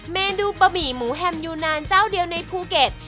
เมนูบะหมี่หมูแฮมยูนานเจ้าเดียวในภูเก็ต